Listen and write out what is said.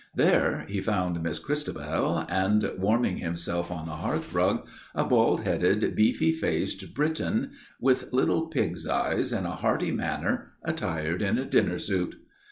There he found Miss Christabel and, warming himself on the hearthrug, a bald headed, beefy faced Briton, with little pig's eyes and a hearty manner, attired in a dinner suit.